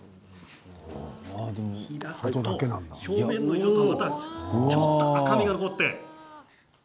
表面の色とはまた違うちょっと赤みが残って。